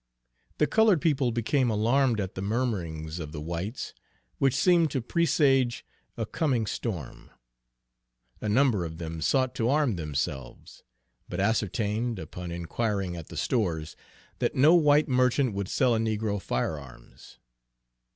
The colored people became alarmed at the murmurings of the whites, which seemed to presage a coming storm. A number of them sought to arm themselves, but ascertained, upon inquiring at the stores, that no white merchant would sell a negro firearms.